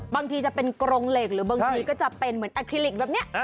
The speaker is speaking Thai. บางทีจะเป็นกรงเหล็กหรือบางทีก็จะเป็นเหมือนอาคลิลิกแบบนี้